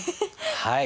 はい。